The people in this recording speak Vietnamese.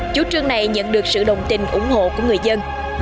chủ trương này nhận được sự đồng tình ủng hộ của người dân